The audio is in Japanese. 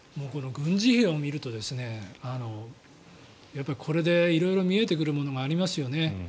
軍事費を見るとこれで色々見えてくるものがありますよね。